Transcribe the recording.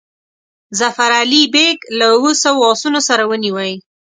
ظفر علي بیګ له اوو سوو آسونو سره ونیوی.